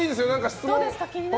質問。